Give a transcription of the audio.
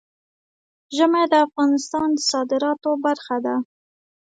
ژمی د افغانستان د صادراتو برخه ده.